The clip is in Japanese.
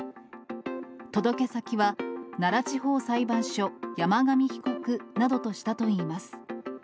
届け先は、奈良地方裁判所・山上被告などとしたといいます。